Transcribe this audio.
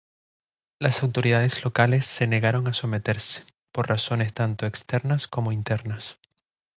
Las autoridades locales se negaron a someterse, por razones tanto externas como internas.